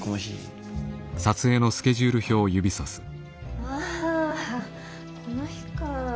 ああこの日かぁ。